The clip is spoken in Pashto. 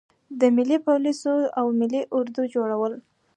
د ملي پولیسو او ملي اردو جوړول.